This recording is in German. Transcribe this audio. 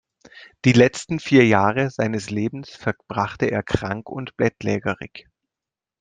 Die letzten vier Jahre seines Lebens verbrachte er krank und bettlägerig.